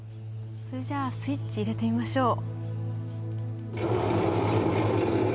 それじゃあスイッチ入れてみましょう。